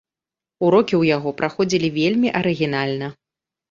Урокі ў яго праходзілі вельмі арыгінальна.